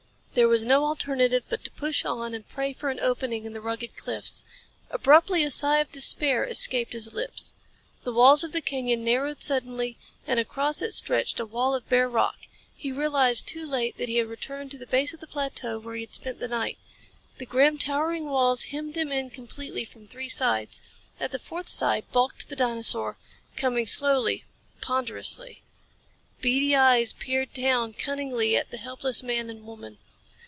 There was no alternative but to push on and pray for an opening in the rugged cliffs. Abruptly a sigh of despair escaped his lips. The walls of the canyon narrowed suddenly, and across it stretched a wall of bare rock. He realized too late that he had returned to the base of the plateau where he had spent the night. The grim, towering walls hemmed him in completely from three sides. At the fourth side bulked the dinosaur, coming slowly, ponderously. Beady eyes peered down cunningly at the helpless man and woman.